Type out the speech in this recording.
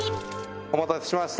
お待たせしました。